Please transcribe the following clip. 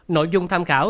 nội dung tham khảo